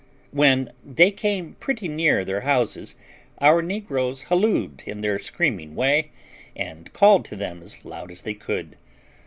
When they came pretty near their houses our negroes hallooed in their screaming way, and called to them as loud as they could.